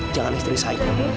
jangan istri saya